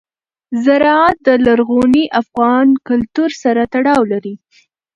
زراعت د لرغوني افغان کلتور سره تړاو لري.